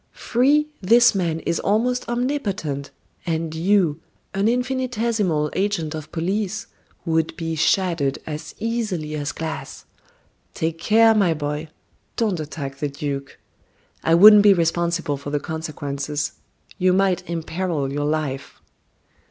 Free, this man is almost omnipotent, and you, an infinitesimal agent of police, would be shattered as easily as glass. Take care, my boy, don't attack the duke. I wouldn't be responsible for the consequences. You might imperil your life."